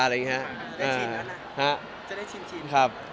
จะได้ชิ้นครับ